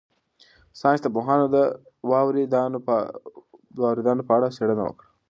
ساینس پوهانو د واورې د دانو په اړه څېړنه وکړه.